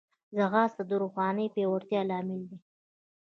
ځغاسته د روحاني پیاوړتیا لامل دی